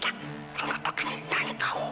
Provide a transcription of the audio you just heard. その時に何かを？